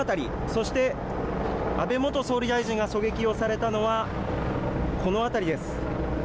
そして安倍元総理大臣が狙撃をされたのはこの辺りです。